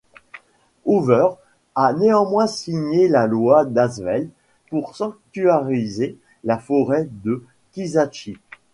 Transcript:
Hoover a néanmoins signé la loi d'Aswell pour sanctuariser la Forêt de Kisatchie.